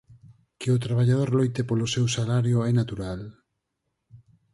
Que o traballador loite polo seu salario é natural.